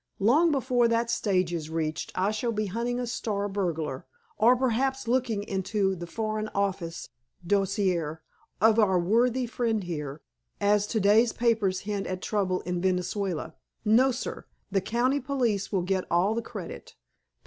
"Long before that stage is reached I shall be hunting a star burglar, or, perhaps, looking into the Foreign Office dossier of our worthy friend here, as to day's papers hint at trouble in Venezuela. No, sir. The county police will get all the credit.